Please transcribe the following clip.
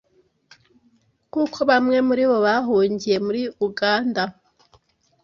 kuko bamwe muri bo bahungiye muri Uganda.